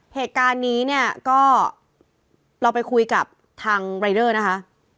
เหตุการณ์นี้เนี่ยก็เราไปคุยกับทางรายเดอร์นะคะ